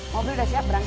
mobil udah siap berangkat